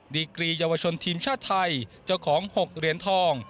ดีกรีเยาวชนทีมชาติไทยเจ้าของ๖เหรียญทอง